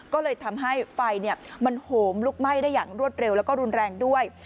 ก็เลยทำให้ไฟมันโหมลุกไหม้ได้อย่างรวดเร็วแล้วก็รุนแรงด้วย